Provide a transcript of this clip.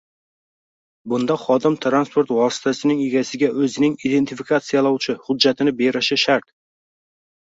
Bunda xodim transport vositasining egasiga o‘zining identifikatsiyalovchi hujjatini berishi shart